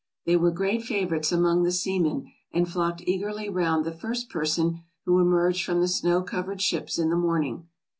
.. They were great favorites among the seamen, and flocked eagerly round the first person who emerged from the snow covered ships in the morning.